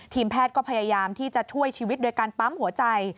แพทย์ก็พยายามที่จะช่วยชีวิตโดยการปั๊มหัวใจ